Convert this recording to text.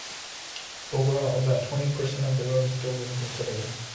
Overall, about twenty percent of the road is still visible today.